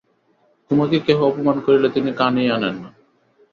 তােমাকে কেহ অপমান করিলে তিনি কানেই আনেন না।